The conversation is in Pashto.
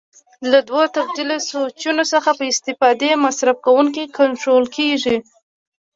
له دوو تبدیل سویچونو څخه په استفادې مصرف کوونکی کنټرول کېږي.